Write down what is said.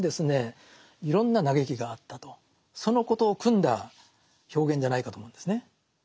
そのことをくんだ表現じゃないかと思うんですね。